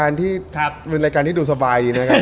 อันนี้แบบเป็นรายการที่ดูสบาย